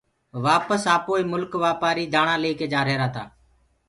وآپس آپوئي ملڪ وآپآري دآڻآ ليڪي جآريهرآ تآ